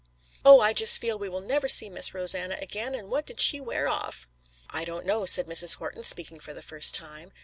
"Oh, I just feel we will never see Miss Rosanna again, and what did she wear off?" "I don't know," said Mrs. Horton, speaking for the first time.